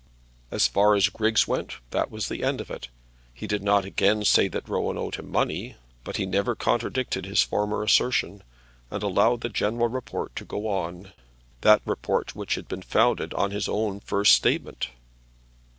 As far as Griggs went that was the end of it. He did not again say that Rowan owed money to him; but he never contradicted his former assertion, and allowed the general report to go on, that report which had been founded on his own first statement.